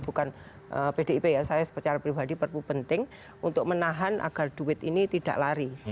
bukan pdip ya saya secara pribadi perpu penting untuk menahan agar duit ini tidak lari